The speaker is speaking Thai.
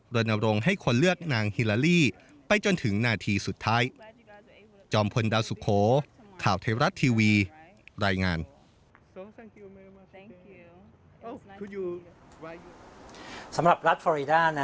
รณรงค์ให้คนเลือกนางฮิลาลี่ไปจนถึงนาทีสุดท้าย